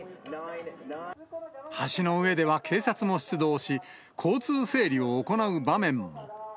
橋の上では警察も出動し、交通整理を行う場面も。